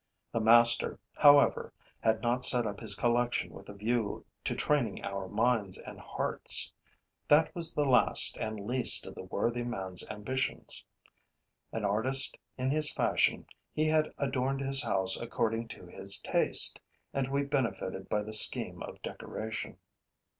The master, however, had not set up his collection with a view to training our minds and hearts. That was the last and least of the worthy man's ambitions. An artist in his fashion, he had adorned his house according to his taste; and we benefited by the scheme of decoration.